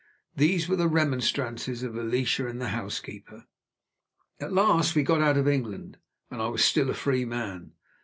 These were the remonstrances of Alicia and the housekeeper. At last we got out of England, and I was still a free man.